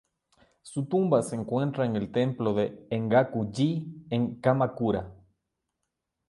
Su tumba se encuentra en el templo de Engaku-ji en Kamakura.